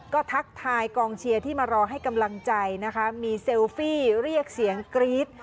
ก็ทักทายกองเชียร์ที่มารอให้กำลังใจนะคะมีเซลฟี่เรียกเสียงกรี๊ด